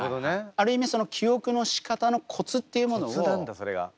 ある意味記憶のしかたのコツっていうものをポイント